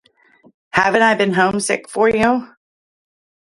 Haven't I been homesick for you?